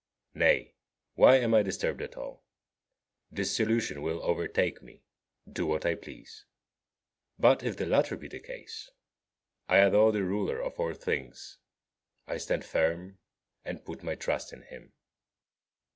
Nay, why am I disturbed at all? Dissolution will overtake me, do what I please. But, if the latter be the case, I adore the Ruler of all things, I stand firm, and put my trust in him.